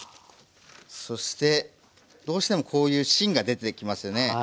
そしてどうしてもこういう芯が出てきますよね。